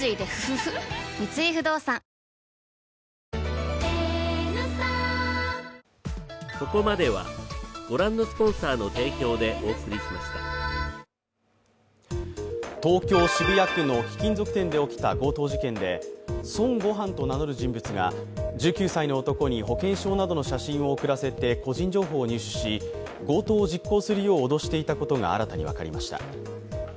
三井不動産東京・渋谷区の貴金属店で起きた強盗事件で孫悟飯と名乗る人物が１９歳の男に写真などを送らせて個人情報を入手し、強盗を実行するよう脅していたことが新たに分かりました。